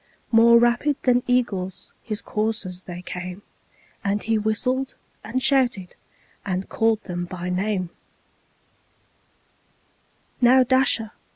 More rapid than eagles his coursers they came, And he whistled, and shouted, and called them by name; "Now, Dasher!